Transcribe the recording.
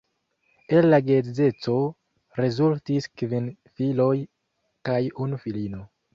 El la geedzeco rezultis kvin filoj kaj unu filino.